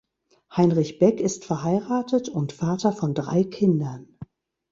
Heinrich Beck ist verheiratet und Vater von drei Kindern.